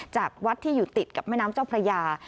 จากวัดที่อยู่ติดกับแม่น้ำเจ้าพระยา